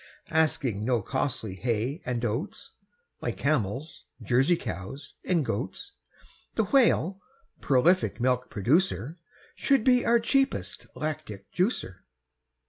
Asking no costly hay and oats, Like camels, Jersey cows, and goats, The Whale, prolific milk producer, Should be our cheapest lactic juicer.